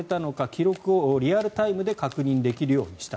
記録をリアルタイムで確認できるようにした。